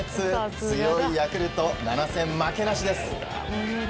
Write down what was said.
強いヤクルト、７戦負けなしです。